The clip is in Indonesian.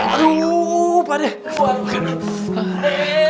pak deh pak deh